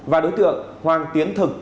và đối tượng hoàng tiến thực